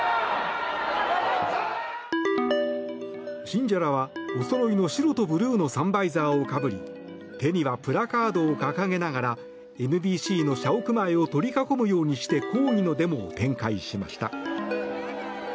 信者らはおそろいの白とブルーのサンバイザーをかぶり手にはプラカードを掲げながらＭＢＣの社屋前を取り囲むようにして抗議のデモを展開しました。